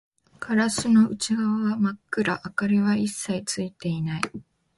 ガラスの内側は真っ暗、明かりは一切ついていない